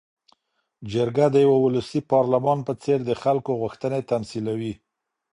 جرګه د یوه ولسي پارلمان په څېر د خلکو غوښتنې تمثیلوي.